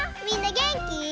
みんなげんき？